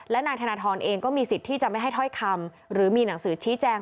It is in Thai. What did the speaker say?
และนายธนทรเองก็มีสิทธิ์ที่จะไม่ให้ถ้อยคำหรือมีหนังสือชี้แจง